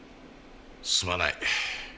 すまない。